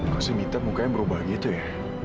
kok si mita mukanya berubah gitu ya